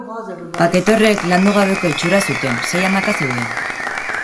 Pakete horrek landu gabeko itxura zuten sei hamaka zeuden.